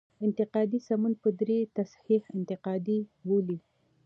انتقادي سمون په دري تصحیح انتقادي بولي.